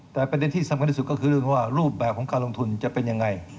แต่ประเด็นที่สำคัญที่สุดก็คือเรื่องว่ารูปแบบของการลงทุนจะเป็นยังไง